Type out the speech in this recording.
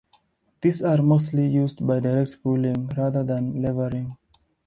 These are mostly used by direct pulling, rather than levering.